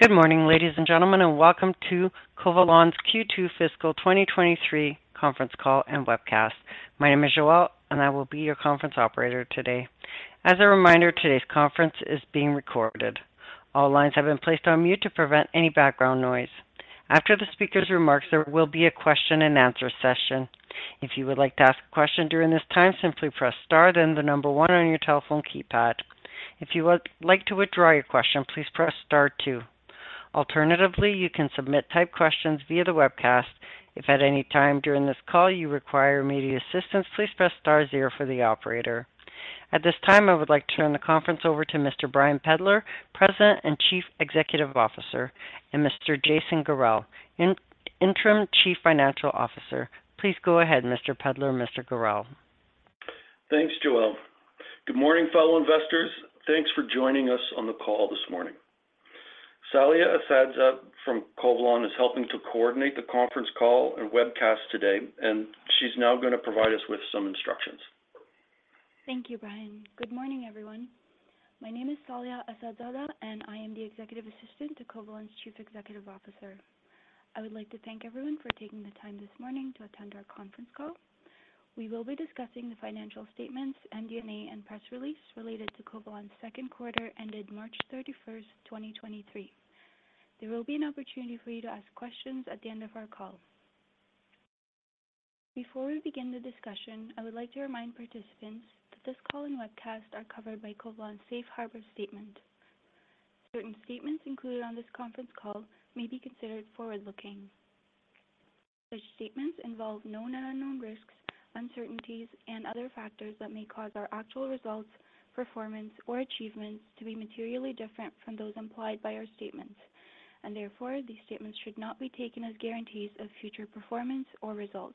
Good morning, ladies and gentlemen, welcome to Covalon's Q2 Fiscal 2023 Conference call and webcast. My name is Joelle, and I will be your conference operator today. As a reminder, today's conference is being recorded. All lines have been placed on mute to prevent any background noise. After the speaker's remarks, there will be a question and answer session. If you would like to ask a question during this time, simply press Star, then one on your telephone keypad. If you would like to withdraw your question, please press Star two. Alternatively, you can submit type questions via the webcast. If at any time during this call you require immediate assistance, please press Star 0 for the operator. At this time, I would like to turn the conference over to Mr. Brian Pedlar, President and Chief Executive Officer, and Mr. Jason Gorel, Interim Chief Financial Officer. Please go ahead, Mr. Pedlar, Mr. Gorel. Thanks, Joelle. Good morning, fellow investors. Thanks for joining us on the call this morning. Samira Sakhia from Covalon is helping to coordinate the conference call and webcast today. She's now going to provide us with some instructions. Thank you, Brian. Good morning, everyone. My name is Saliyah Assadzada. I am the executive assistant to Covalon's Chief Executive Officer. I would like to thank everyone for taking the time this morning to attend our conference call. We will be discussing the financial statements, MD&A, and press release related to Covalon's second quarter ended March 31, 2023. There will be an opportunity for you to ask questions at the end of our call. Before we begin the discussion, I would like to remind participants that this call and webcast are covered by Covalon's Safe Harbor statement. Certain statements included on this conference call may be considered forward-looking. Such statements involve known and unknown risks, uncertainties, and other factors that may cause our actual results, performance, or achievements to be materially different from those implied by our statements, and therefore, these statements should not be taken as guarantees of future performance or results.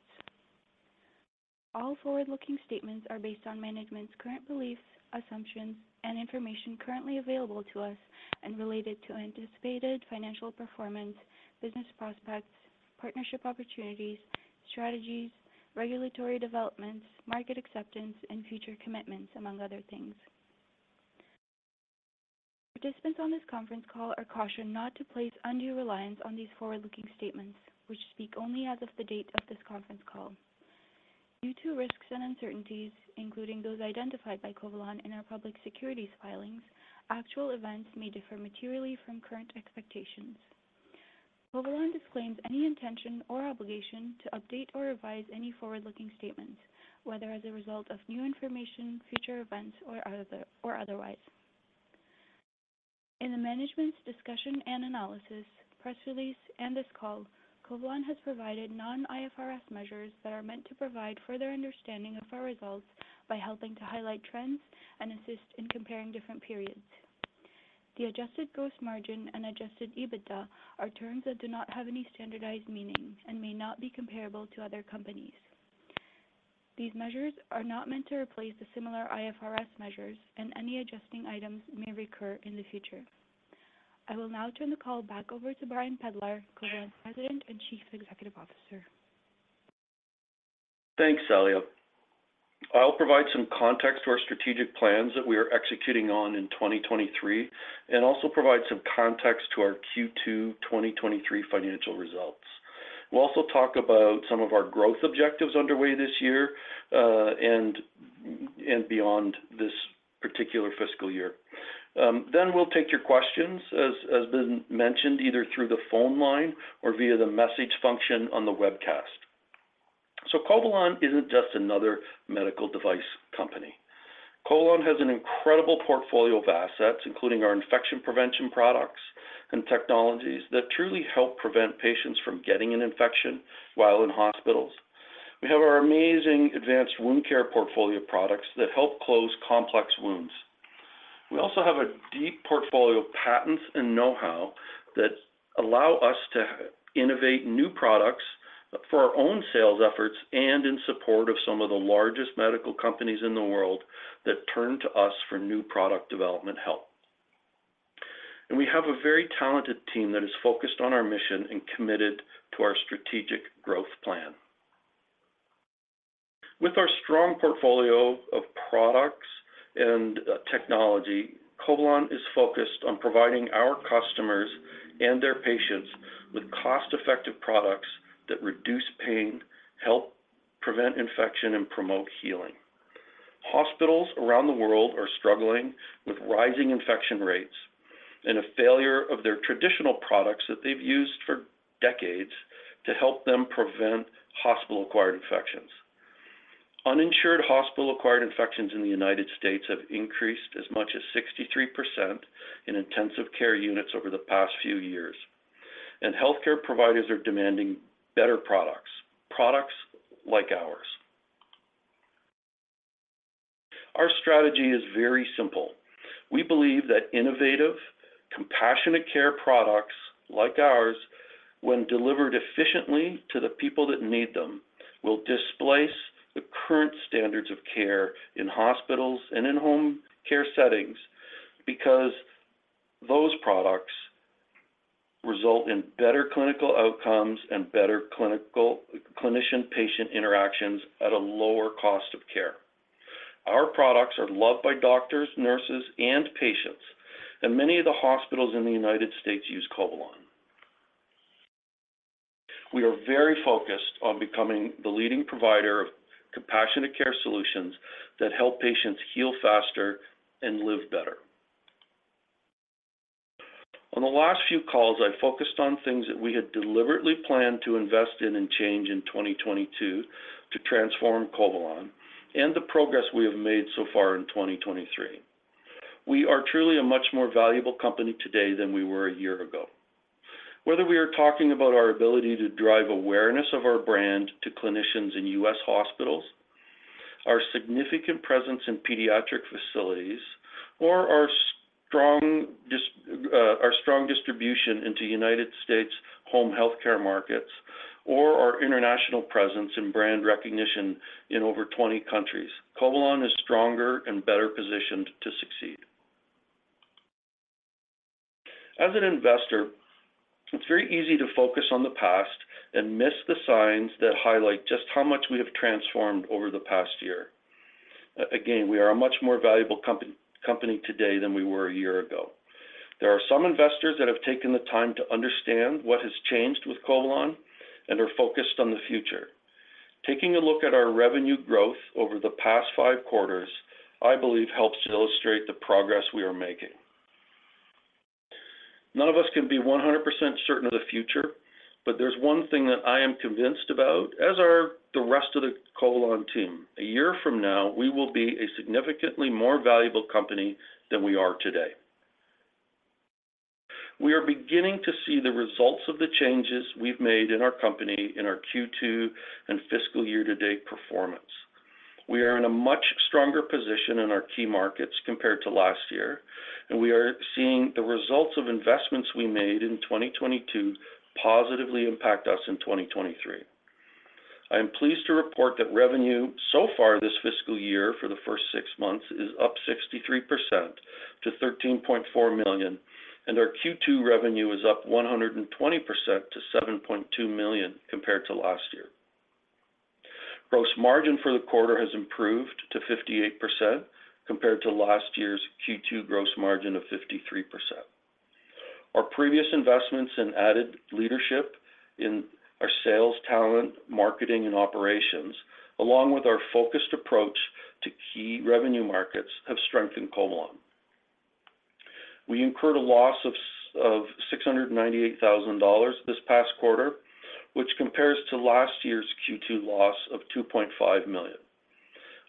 All forward-looking statements are based on management's current beliefs, assumptions, and information currently available to us and related to anticipated financial performance, business prospects, partnership opportunities, strategies, regulatory developments, market acceptance, and future commitments, among other things. Participants on this conference call are cautioned not to place undue reliance on these forward-looking statements, which speak only as of the date of this conference call. Due to risks and uncertainties, including those identified by Covalon in our public securities filings, actual events may differ materially from current expectations. Covalon disclaims any intention or obligation to update or revise any forward-looking statements, whether as a result of new information, future events, or other, or otherwise. In the Management's Discussion and Analysis, press release, and this call, Covalon has provided non-IFRS measures that are meant to provide further understanding of our results by helping to highlight trends and assist in comparing different periods. The adjusted gross margin and Adjusted EBITDA are terms that do not have any standardized meaning and may not be comparable to other companies. These measures are not meant to replace the similar IFRS measures. Any adjusting items may recur in the future. I will now turn the call back over to Brian Pedlar, Covalon President and Chief Executive Officer. Thanks, Saliyah. I'll provide some context to our strategic plans that we are executing on in 2023 and also provide some context to our Q2 2023 financial results. We'll also talk about some of our growth objectives underway this year, and beyond this particular fiscal year. We'll take your questions, as been mentioned, either through the phone line or via the message function on the webcast. Covalon isn't just another medical device company. Covalon has an incredible portfolio of assets, including our infection prevention products and technologies that truly help prevent patients from getting an infection while in hospitals. We have our amazing advanced wound care portfolio products that help close complex wounds. We also have a deep portfolio of patents and know-how that allow us to innovate new products for our own sales efforts and in support of some of the largest medical companies in the world that turn to us for new product development help. We have a very talented team that is focused on our mission and committed to our strategic growth plan. With our strong portfolio of products and technology, Covalon is focused on providing our customers and their patients with cost-effective products that reduce pain, help prevent infection, and promote healing. Hospitals around the world are struggling with rising infection rates and a failure of their traditional products that they've used for decades to help them prevent hospital-acquired infections. Uninsured hospital-acquired infections in the United States have increased as much as 63% in intensive care units over the past few years. Healthcare providers are demanding better products like ours. Our strategy is very simple. We believe that innovative, compassionate care products like ours, when delivered efficiently to the people that need them, will displace the current standards of care in hospitals and in home care settings, because those products result in better clinical outcomes and better clinician-patient interactions at a lower cost of care. Our products are loved by doctors, nurses, and patients. Many of the hospitals in the United States use Covalon. We are very focused on becoming the leading provider of compassionate care solutions that help patients heal faster and live better. On the last few calls, I focused on things that we had deliberately planned to invest in and change in 2022 to transform Covalon and the progress we have made so far in 2023. We are truly a much more valuable company today than we were a year ago. Whether we are talking about our ability to drive awareness of our brand to clinicians in U.S. hospitals, our significant presence in pediatric facilities, or our strong distribution into United States home healthcare markets, or our international presence and brand recognition in over 20 countries, Covalon is stronger and better positioned to succeed. As an investor, it's very easy to focus on the past and miss the signs that highlight just how much we have transformed over the past year. Again, we are a much more valuable company today than we were a year ago. There are some investors that have taken the time to understand what has changed with Covalon and are focused on the future. Taking a look at our revenue growth over the past five quarters, I believe, helps to illustrate the progress we are making. None of us can be 100% certain of the future, but there's one thing that I am convinced about, as are the rest of the Covalon team: a year from now, we will be a significantly more valuable company than we are today. We are beginning to see the results of the changes we've made in our company in our Q2 and fiscal year-to-date performance. We are in a much stronger position in our key markets compared to last year, and we are seeing the results of investments we made in 2022 positively impact us in 2023. I am pleased to report that revenue so far this fiscal year for the first six months is up 63% to 13.4 million, and our Q2 revenue is up 120% to 7.2 million compared to last year. Gross margin for the quarter has improved to 58%, compared to last year's Q2 gross margin of 53%. Our previous investments in added leadership in our sales, talent, marketing, and operations, along with our focused approach to key revenue markets, have strengthened Covalon. We incurred a loss of 698,000 dollars this past quarter, which compares to last year's Q2 loss of 2.5 million.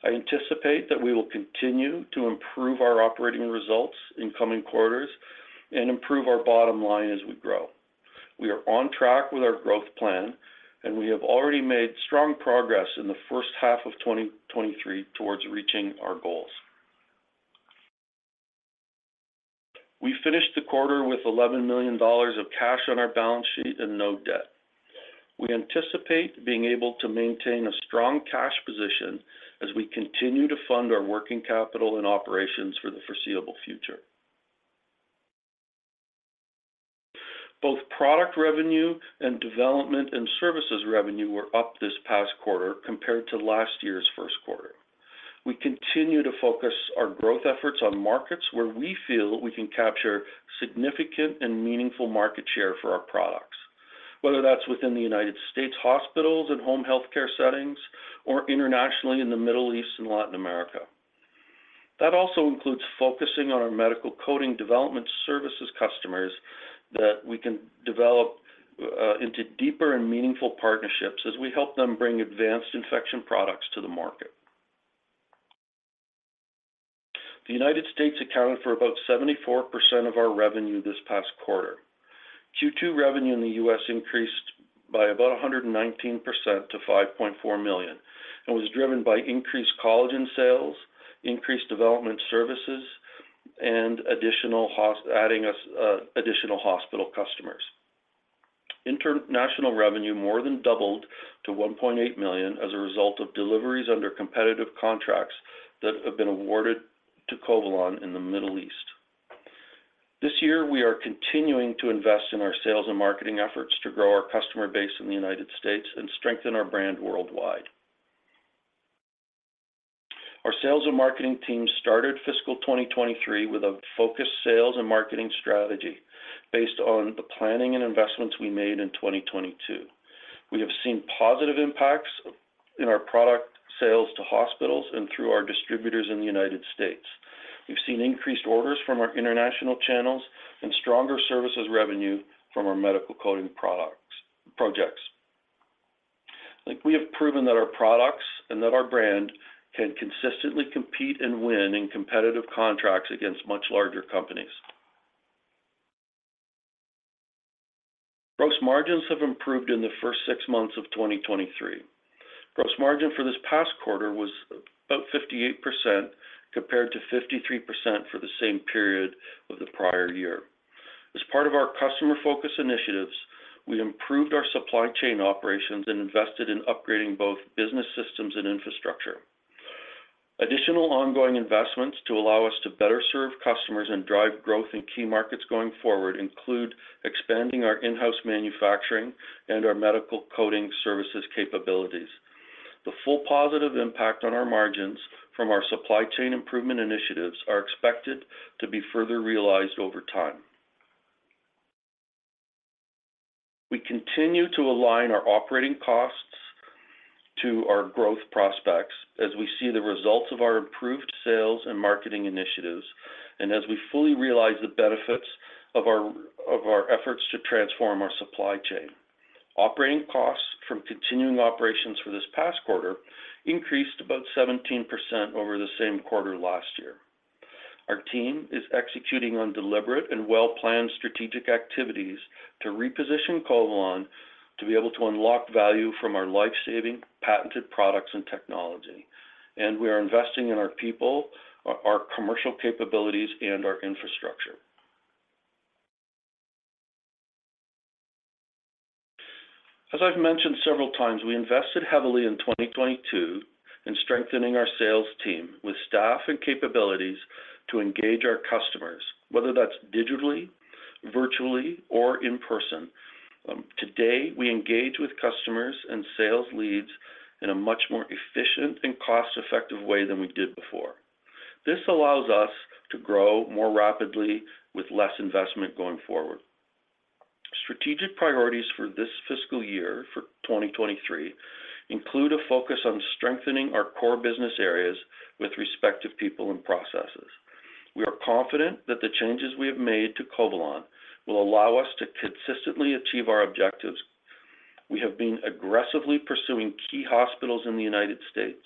I anticipate that we will continue to improve our operating results in coming quarters and improve our bottom line as we grow. We are on track with our growth plan, and we have already made strong progress in the first half of 2023 towards reaching our goals. We finished the quarter with 11 million dollars of cash on our balance sheet and no debt. We anticipate being able to maintain a strong cash position as we continue to fund our working capital and operations for the foreseeable future. Both product revenue and development and services revenue were up this past quarter compared to last year's first quarter. We continue to focus our growth efforts on markets where we feel we can capture significant and meaningful market share for our products, whether that's within the United States hospitals and home healthcare settings, or internationally in the Middle East and Latin America. That also includes focusing on our medical coding development services customers that we can develop into deeper and meaningful partnerships as we help them bring advanced infection products to the market. The United States accounted for about 74% of our revenue this past quarter. Q2 revenue in the US increased by about 119% to $5.4 million and was driven by increased collagen sales, increased development services, and additional hospital customers. International revenue more than doubled to 1.8 million as a result of deliveries under competitive contracts that have been awarded to Covalon in the Middle East. This year, we are continuing to invest in our sales and marketing efforts to grow our customer base in the United States and strengthen our brand worldwide. Our sales and marketing team started fiscal 2023 with a focused sales and marketing strategy based on the planning and investments we made in 2022. We have seen positive impacts in our product sales to hospitals and through our distributors in the United States. We've seen increased orders from our international channels and stronger services revenue from our medical coding projects. I think we have proven that our products and that our brand can consistently compete and win in competitive contracts against much larger companies. Gross margins have improved in the first six months of 2023. Gross margin for this past quarter was about 58%, compared to 53% for the same period of the prior year. As part of our customer focus initiatives, we improved our supply chain operations and invested in upgrading both business systems and infrastructure. Additional ongoing investments to allow us to better serve customers and drive growth in key markets going forward include expanding our in-house manufacturing and our medical coding services capabilities. The full positive impact on our margins from our supply chain improvement initiatives are expected to be further realized over time. We continue to align our operating costs to our growth prospects as we see the results of our improved sales and marketing initiatives, and as we fully realize the benefits of our efforts to transform our supply chain. Operating costs from continuing operations for this past quarter increased about 17% over the same quarter last year. Our team is executing on deliberate and well-planned strategic activities to reposition Covalon to be able to unlock value from our life-saving patented products and technology. We are investing in our people, our commercial capabilities, and our infrastructure. As I've mentioned several times, we invested heavily in 2022 in strengthening our sales team with staff and capabilities to engage our customers, whether that's digitally, virtually, or in person. Today, we engage with customers and sales leads in a much more efficient and cost-effective way than we did before. This allows us to grow more rapidly with less investment going forward. Strategic priorities for this fiscal year, for 2023, include a focus on strengthening our core business areas with respective people and processes. We are confident that the changes we have made to Covalon will allow us to consistently achieve our objectives. We have been aggressively pursuing key hospitals in the United States,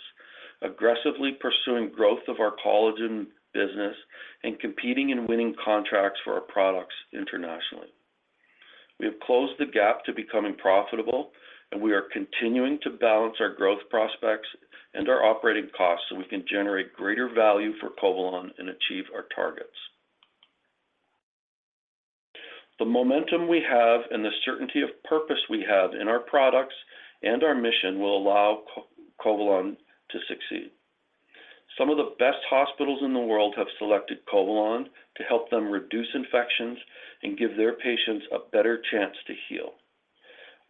aggressively pursuing growth of our collagen business, and competing and winning contracts for our products internationally. We have closed the gap to becoming profitable. We are continuing to balance our growth prospects and our operating costs so we can generate greater value for Covalon and achieve our targets. The momentum we have and the certainty of purpose we have in our products and our mission will allow Covalon to succeed. Some of the best hospitals in the world have selected Covalon to help them reduce infections and give their patients a better chance to heal.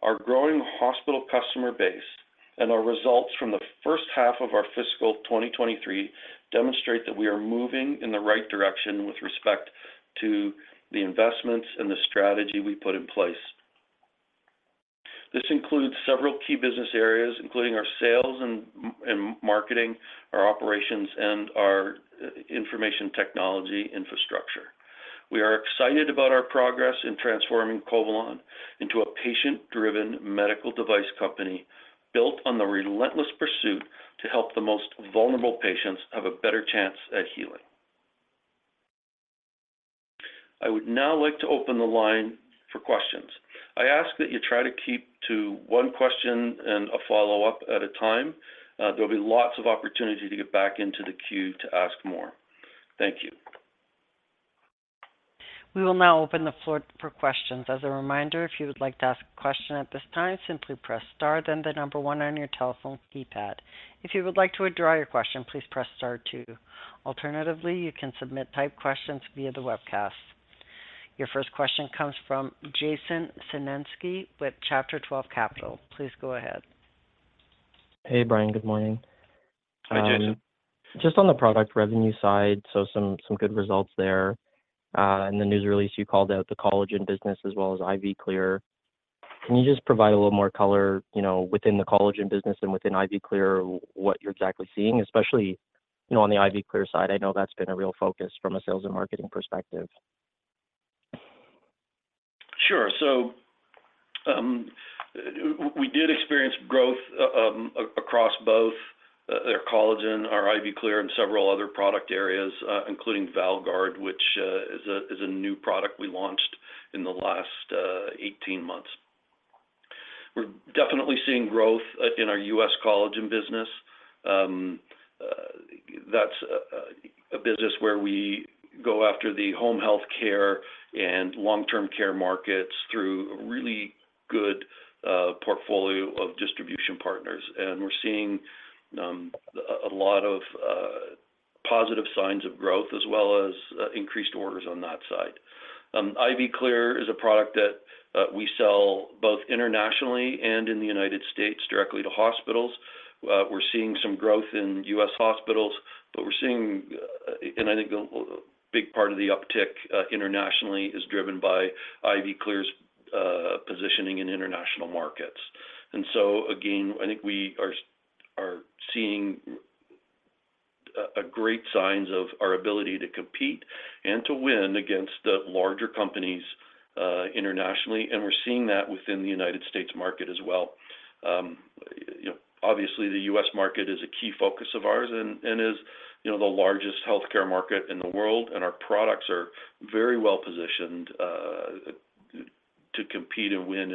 Our growing hospital customer base and our results from the first half of our fiscal 2023 demonstrate that we are moving in the right direction with respect to the investments and the strategy we put in place. This includes several key business areas, including our sales and marketing, our operations, and our information technology infrastructure. We are excited about our progress in transforming Covalon into a patient-driven medical device company, built on the relentless pursuit to help the most vulnerable patients have a better chance at healing. I would now like to open the line for questions. I ask that you try to keep to one question and a follow-up at a time. There will be lots of opportunity to get back into the queue to ask more. Thank you. We will now open the floor for questions. As a reminder, if you would like to ask a question at this time, simply press star, then one on your telephone keypad. If you would like to withdraw your question, please press star two. Alternatively, you can submit typed questions via the webcast. Your first question comes from Jason Senensky with Chapter Twelve Capital. Please go ahead. Hey, Brian. Good morning. Hi, Jason. Just on the product revenue side, some good results there. In the news release, you called out the collagen business as well as IV Clear. Can you just provide a little more color, you know, within the collagen business and within IV Clear, what you're exactly seeing? Especially, you know, on the IV Clear side, I know that's been a real focus from a sales and marketing perspective. We did experience growth across both our collagen, our IV Clear, and several other product areas, including VALGuard, which is a new product we launched in the last 18 months. We're definitely seeing growth in our U.S. collagen business. That's a business where we go after the home health care and long-term care markets through a really good portfolio of distribution partners, and we're seeing a lot of positive signs of growth, as well as increased orders on that side. IV Clear is a product that we sell both internationally and in the United States, directly to hospitals. We're seeing some growth in U.S. hospitals, but we're seeing... I think a big part of the uptick internationally is driven by IV Clear's positioning in international markets. Again, I think we are seeing great signs of our ability to compete and to win against the larger companies internationally, and we're seeing that within the United States market as well. You know, obviously, the U.S. market is a key focus of ours and is, you know, the largest healthcare market in the world. Our products are very well-positioned to compete and win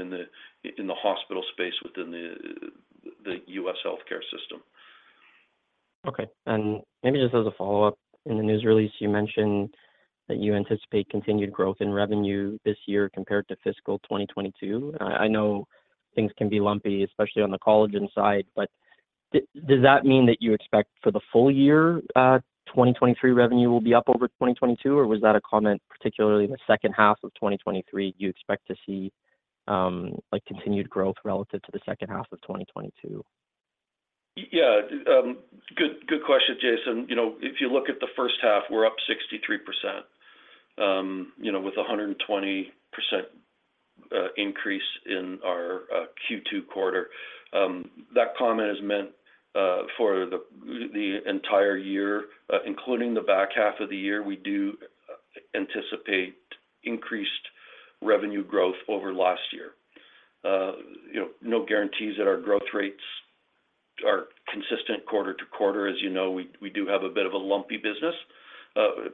in the hospital space within the U.S. healthcare system. Okay, maybe just as a follow-up, in the news release, you mentioned that you anticipate continued growth in revenue this year compared to fiscal 2022. I know things can be lumpy, especially on the collagen side, but does that mean that you expect for the full year, 2023 revenue will be up over 2022, or was that a comment, particularly in the second half of 2023, you expect to see, like, continued growth relative to the second half of 2022? Yeah, good question, Jason. You know, if you look at the first half, we're up 63%, you know, with a 120% increase in our Q2 quarter. That comment is meant for the entire year, including the back half of the year. We do anticipate increased revenue growth over last year. You know, no guarantees that our growth rates are consistent quarter to quarter. As you know, we do have a bit of a lumpy business,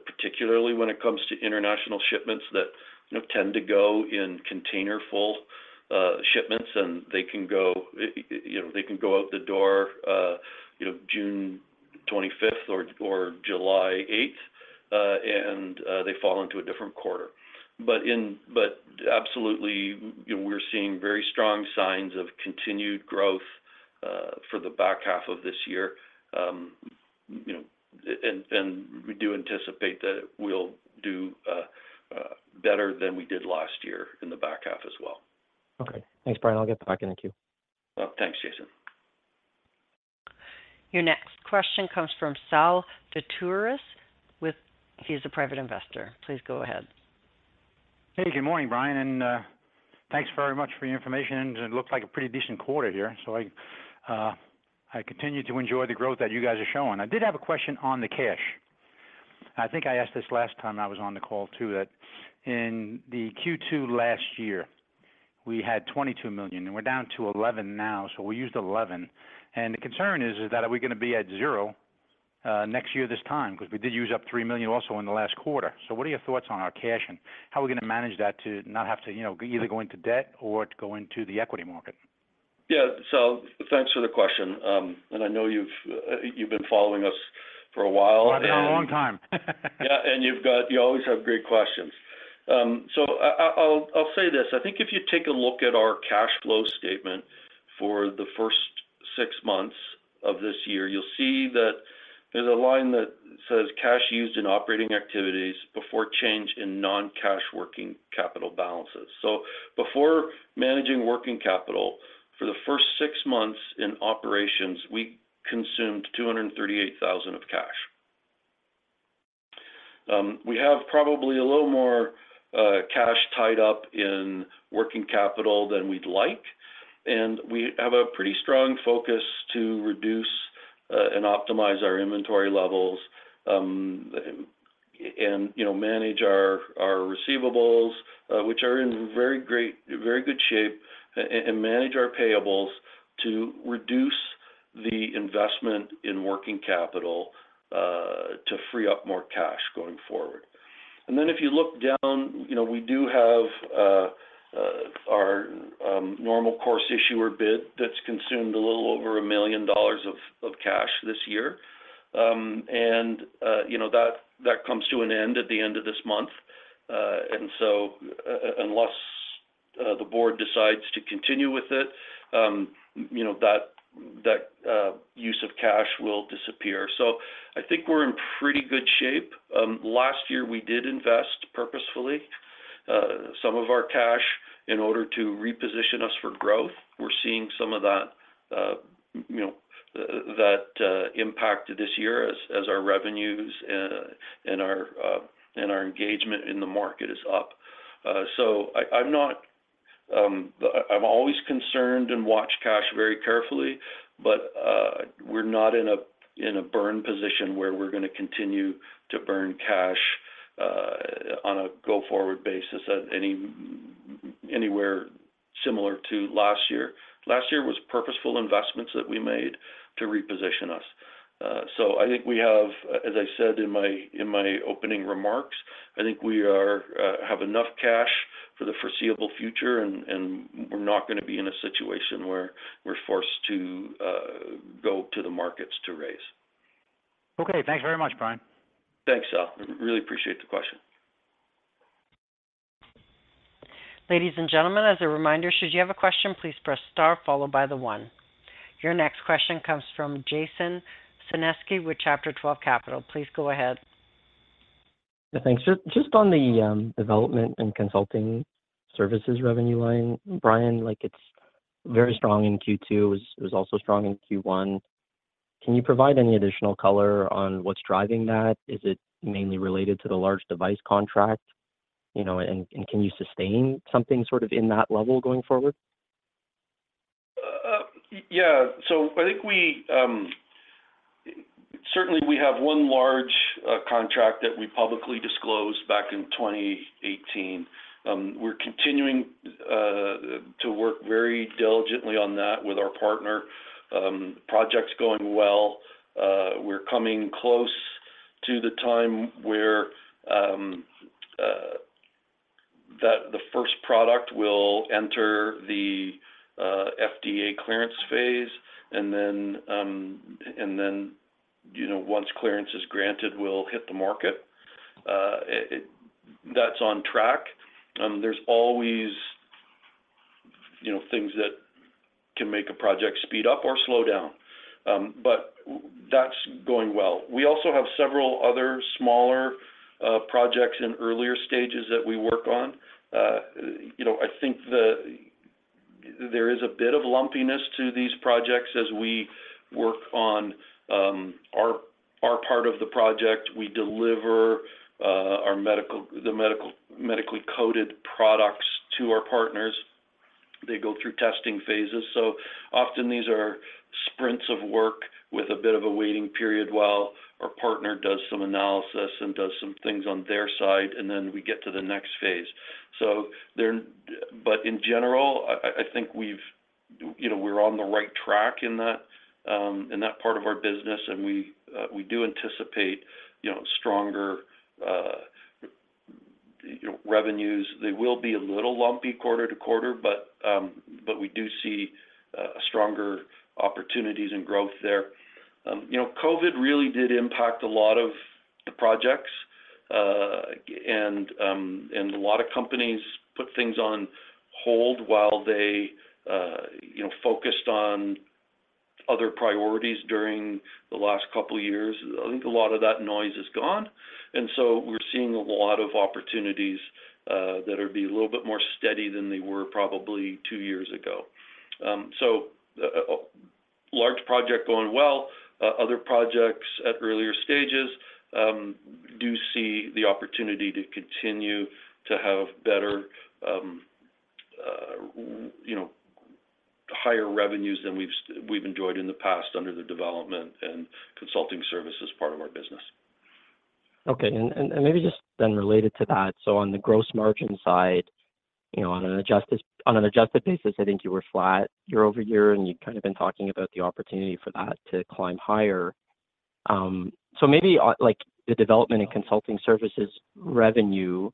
particularly when it comes to international shipments that, you know, tend to go in container full shipments, and they can go. You know, they can go out the door, June 25th or July 8th, and they fall into a different quarter. Absolutely, you know, we're seeing very strong signs of continued growth for the back half of this year. You know, and we do anticipate that we'll do better than we did last year in the back half as well. Okay. Thanks, Brian. I'll get back in the queue. Thanks, Jason. Your next question comes from Sal Tatouris he's a private investor. Please go ahead. Hey, good morning, Brian, thanks very much for your information. It looks like a pretty decent quarter here. I continue to enjoy the growth that you guys are showing. I did have a question on the cash. I think I asked this last time I was on the call, too, that in the Q2 last year, we had 22 million, and we're down to 11 million now, so we used 11 million. The concern is that are we gonna be at zero next year this time? We did use up 3 million also in the last quarter. What are your thoughts on our cash, and how are we gonna manage that to not have to, you know, either go into debt or to go into the equity market? Yeah. Thanks for the question. I know you've been following us for a while. I've been here a long time. Yeah, you always have great questions. I'll say this: I think if you take a look at our cash flow statement for the first six months of this year, you'll see that there's a line that says, "Cash used in operating activities before change in non-cash working capital balances." Before managing working capital, for the first six months in operations, we consumed 238,000 of cash. We have probably a little more cash tied up in working capital than we'd like, and we have a pretty strong focus to reduce and optimize our inventory levels, and, you know, manage our receivables, which are in very good shape, and manage our payables to reduce the investment in working capital, to free up more cash going forward. If you look down, you know, we do have our Normal Course Issuer Bid that's consumed a little over $1 million of cash this year. You know, that comes to an end at the end of this month. Unless the board decides to continue with it, you know, that use of cash will disappear. I think we're in pretty good shape. Last year, we did invest purposefully, some of our cash in order to reposition us for growth. We're seeing some of that, you know, that impact this year as our revenues and our engagement in the market is up. I'm not. I'm always concerned and watch cash very carefully. We're not in a burn position where we're gonna continue to burn cash on a go-forward basis at anywhere similar to last year. Last year was purposeful investments that we made to reposition us. I think we have, as I said in my opening remarks, I think we are have enough cash for the foreseeable future, and we're not gonna be in a situation where we're forced to go to the markets to raise. Okay. Thanks very much, Brian. Thanks, Sal. Really appreciate the question. Ladies and gentlemen, as a reminder, should you have a question, please press Star followed by the one. Your next question comes from Jason Senensky with Chapter Twelve Capital. Please go ahead. Yeah, thanks. Just on the development and consulting services revenue line, Brian, like it's very strong in Q2. It was also strong in Q1. Can you provide any additional color on what's driving that? Is it mainly related to the large device contract? You know, and can you sustain something sort of in that level going forward? Yeah. Certainly, we have one large contract that we publicly disclosed back in 2018. We're continuing to work very diligently on that with our partner. Project's going well. We're coming close to the time where that the first product will enter the FDA clearance phase, then, you know, once clearance is granted, we'll hit the market. That's on track. There's always, you know, things that can make a project speed up or slow down. That's going well. We also have several other smaller projects in earlier stages that we work on. You know, I think there is a bit of lumpiness to these projects as we work on our part of the project. We deliver medically coded products to our partners. They go through testing phases. Often these are sprints of work with a bit of a waiting period while our partner does some analysis and does some things on their side, and then we get to the next phase. But in general, I, I think we've, you know, we're on the right track in that part of our business, and we do anticipate, you know, stronger, you know, revenues. They will be a little lumpy quarter-to-quarter, but we do see stronger opportunities and growth there. You know, COVID really did impact a lot of the projects. A lot of companies put things on hold while they, you know, focused on other priorities during the last couple of years. I think a lot of that noise is gone. We're seeing a lot of opportunities, that would be a little bit more steady than they were probably two years ago. Large project going well, other projects at earlier stages, do see the opportunity to continue to have better, you know, higher revenues than we've enjoyed in the past under the development and consulting services part of our business. Okay. Maybe just then related to that, so on the gross margin side, you know, on an adjusted basis, I think you were flat year-over-year, and you've kind of been talking about the opportunity for that to climb higher. Maybe, like, the development and consulting services revenue,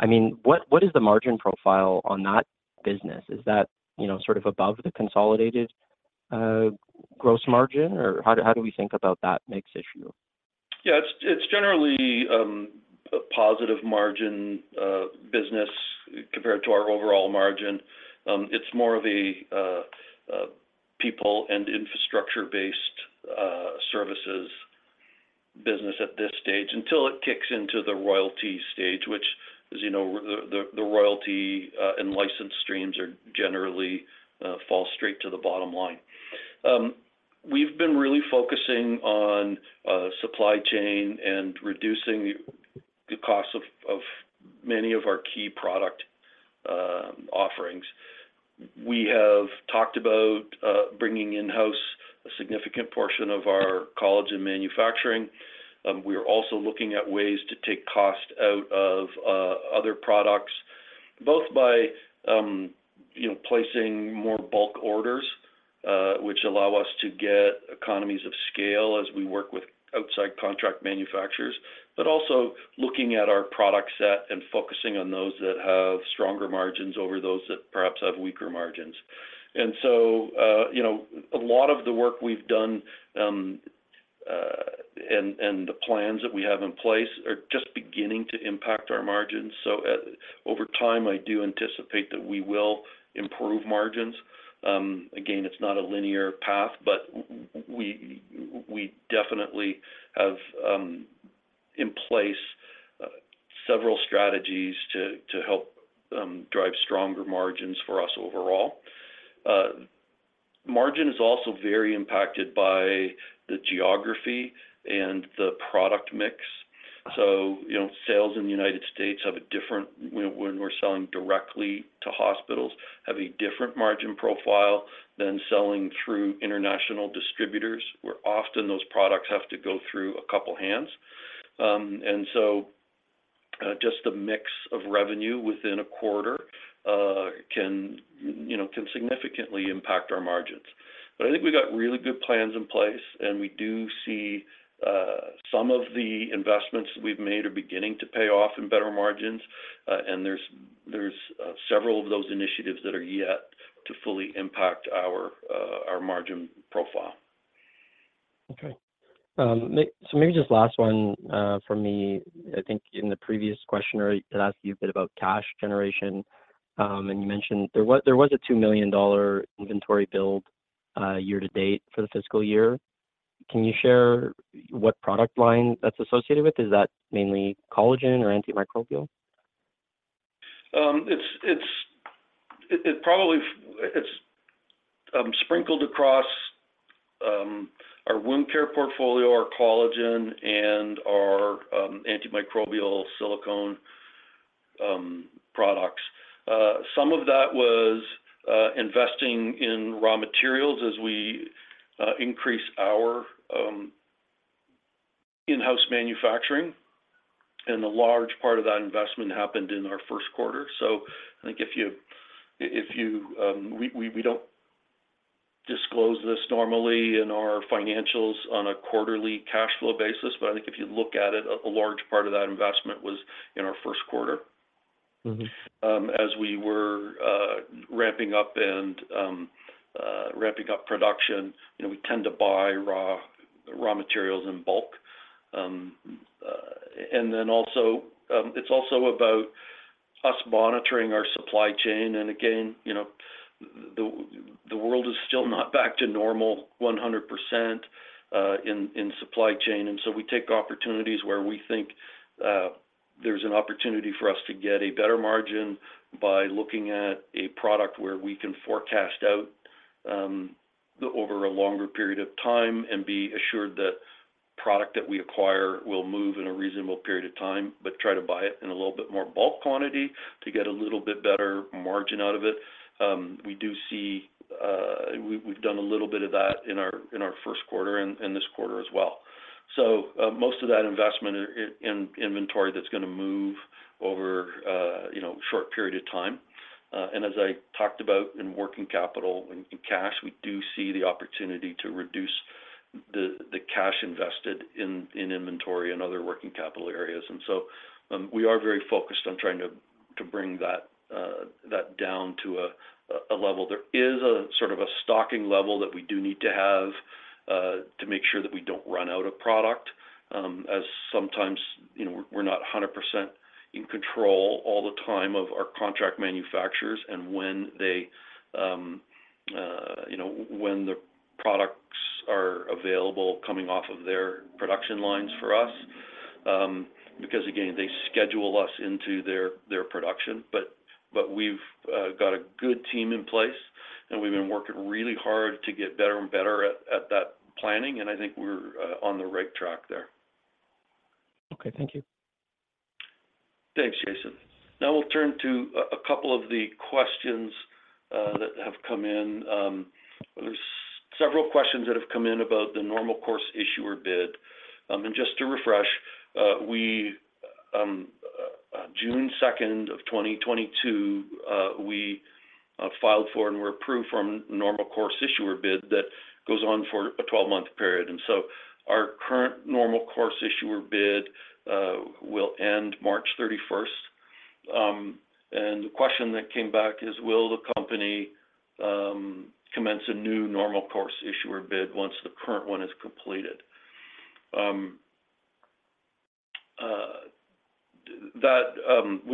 I mean, what is the margin profile on that business? Is that, you know, sort of above the consolidated gross margin, or how do we think about that mix issue? Yeah, it's generally a positive margin business compared to our overall margin. It's more of a people and infrastructure-based services business at this stage, until it kicks into the royalty stage, which, as you know, the royalty and license streams are generally fall straight to the bottom line. We've been really focusing on supply chain and reducing the cost of many of our key product offerings. We have talked about bringing in-house a significant portion of our collagen manufacturing. We are also looking at ways to take cost out of other products, both by, you know, placing more bulk orders, which allow us to get economies of scale as we work with outside contract manufacturers, but also looking at our product set and focusing on those that have stronger margins over those that perhaps have weaker margins. You know, a lot of the work we've done, and the plans that we have in place are just beginning to impact our margins. Over time, I do anticipate that we will improve margins. Again, it's not a linear path, but we definitely have in place several strategies to help drive stronger margins for us overall. Margin is also very impacted by the geography and the product mix. you know, sales in the United States when we're selling directly to hospitals, have a different margin profile than selling through international distributors, where often those products have to go through a couple hands. just the mix of revenue within a quarter, can, you know, can significantly impact our margins. I think we got really good plans in place, and we do see, some of the investments we've made are beginning to pay off in better margins, and there's several of those initiatives that are yet to fully impact our margin profile. Okay. Maybe just last one from me. I think in the previous question, I asked you a bit about cash generation. You mentioned there was a $2 million inventory build year to date for the fiscal year. Can you share what product line that's associated with? Is that mainly collagen or antimicrobial? It's sprinkled across our wound care portfolio, our collagen, and our antimicrobial silicone products. Some of that was investing in raw materials as we increased our in-house manufacturing, and a large part of that investment happened in our first quarter. I think if you we don't disclose this normally in our financials on a quarterly cash flow basis, but I think if you look at it, a large part of that investment was in our first quarter. Mm-hmm. As we were ramping up and ramping up production, you know, we tend to buy raw materials in bulk. Also, it's also about us monitoring our supply chain. Again, you know, the world is still not back to normal 100% in supply chain. So we take opportunities where we think there's an opportunity for us to get a better margin by looking at a product where we can forecast out over a longer period of time and be assured that product that we acquire will move in a reasonable period of time, but try to buy it in a little bit more bulk quantity to get a little bit better margin out of it. We do see. We've done a little bit of that in our first quarter and this quarter as well. Most of that investment in inventory, that's gonna move over, you know, short period of time. As I talked about in working capital and in cash, we do see the opportunity to reduce the cash invested in inventory and other working capital areas. We are very focused on trying to bring that down to a level. There is a sort of a stocking level that we do need to have, to make sure that we don't run out of product, as sometimes, you know, we're not 100% in control all the time of our contract manufacturers and when they, you know, when the products are available, coming off of their production lines for us. Because again, they schedule us into their production, but we've got a good team in place, and we've been working really hard to get better at that planning, and I think we're on the right track there. Okay. Thank you. Thanks, Jason. Now we'll turn to a couple of the questions that have come in. There's several questions that have come in about the Normal Course Issuer Bid. Just to refresh, we June 2nd of 2022, we filed for and were approved from Normal Course Issuer Bid that goes on for a 12-month period. Our current Normal Course Issuer Bid will end March 31st. The question that came back is, will the company commence a new Normal Course Issuer Bid once the current one is completed? We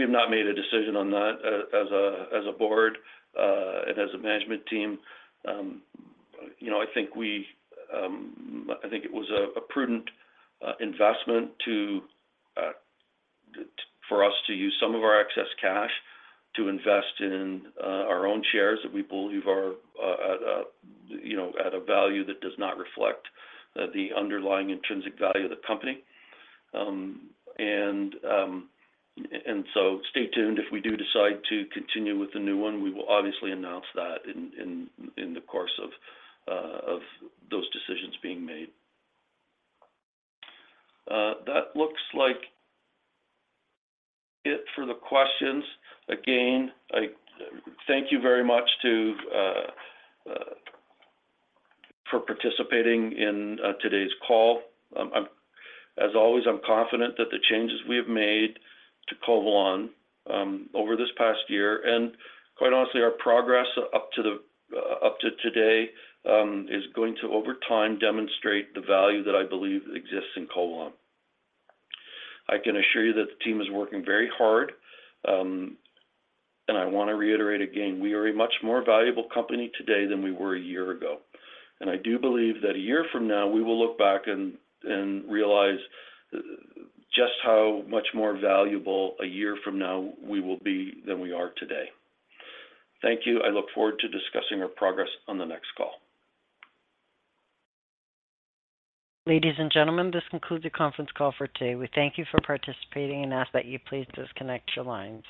have not made a decision on that as a, as a board, and as a management team. You know, I think we... I think it was a prudent investment to for us to use some of our excess cash to invest in our own shares that we believe are at, you know, at a value that does not reflect the underlying intrinsic value of the company. Stay tuned. If we do decide to continue with the new one, we will obviously announce that in the course of those decisions being made. That looks like it for the questions. Again, I thank you very much to for participating in today's call. As always, I'm confident that the changes we have made to Covalon over this past year, and quite honestly, our progress up to today, is going to, over time, demonstrate the value that I believe exists in Covalon. I can assure you that the team is working very hard, and I want to reiterate again, we are a much more valuable company today than we were a year ago. I do believe that a year from now, we will look back and realize just how much more valuable a year from now we will be than we are today. Thank you. I look forward to discussing our progress on the next call. Ladies and gentlemen, this concludes the conference call for today. We thank you for participating and ask that you please disconnect your lines.